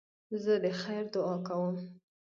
زه د خیر دؤعا کوم.